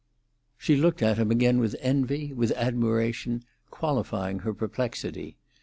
She looked at him again with envy, with admiration, qualifying her perplexity.